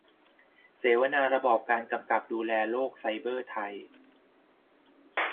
เสวนาระบอบการกำกับดูแลโลกไซเบอร์ไทย